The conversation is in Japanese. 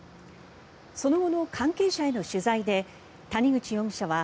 その後の関係者への取材で谷口容疑者は